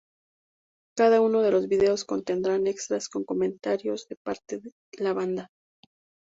Cada uno de los videos contendrán extras con comentarios de parte la banda.